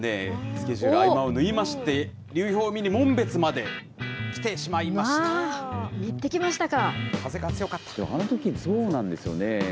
スケジュールの合間を縫いまして流氷を見に紋別まで行ってきましたか。